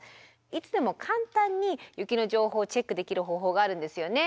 いつでも簡単に雪の情報をチェックできる方法があるんですよね。